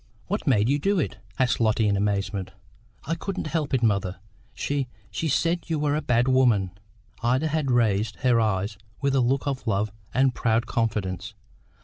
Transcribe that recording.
"What made you do it?" asked Lotty in amazement. "I couldn't help it, mother; she she said you were a bad woman." Ida had raised her eyes with a look of love and proud confidence.